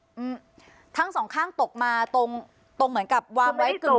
อืมทั้งสองข้างตกมาตรงตรงเหมือนกับวางไว้กึ่ง